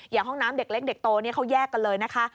ห้องน้ำเด็กเล็กเด็กโตเขาแยกกันเลยนะคะ